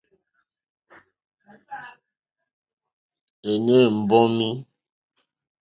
Ènê mbɔ́mí.